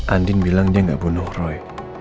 andin bilang dia nggak bunuh roy